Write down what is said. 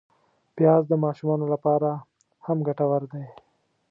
پیاز د ماشومانو له پاره هم ګټور دی